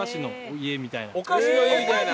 お菓子の家みたいな。